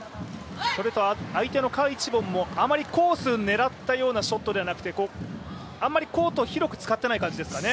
それと相手の賈一凡もあまりコースを狙ったようなショットではなくてあまりコートを広く使っていない感じですかね。